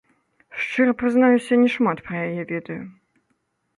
Шчыра прызнаюся, не шмат пра яе ведаю.